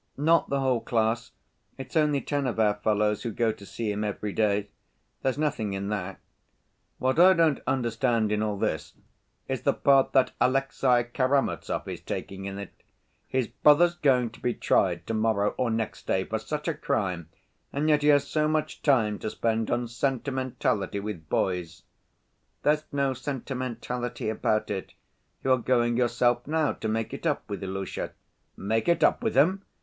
"Not the whole class: it's only ten of our fellows who go to see him every day. There's nothing in that." "What I don't understand in all this is the part that Alexey Karamazov is taking in it. His brother's going to be tried to‐morrow or next day for such a crime, and yet he has so much time to spend on sentimentality with boys." "There's no sentimentality about it. You are going yourself now to make it up with Ilusha." "Make it up with him?